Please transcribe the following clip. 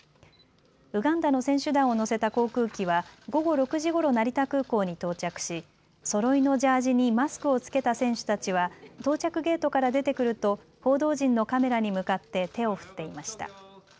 ウガンダの選手団を乗せた航空機は午後６時ごろ成田空港に到着しそろいのジャージにマスクを着けた選手たちは到着ゲートから出てくると報道陣のカメラに向かって手を振っていました。